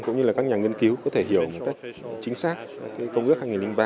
cũng như là các nhà nghiên cứu có thể hiểu một cách chính xác công ước hai nghìn ba